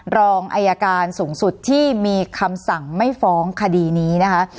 รองอายการสูงสุดที่มีคำสั่งไม่ฟ้องคดีนี้นะคะ